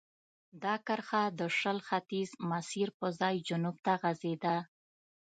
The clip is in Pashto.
دا کرښه د شل ختیځ مسیر پر ځای جنوب ته غځېده.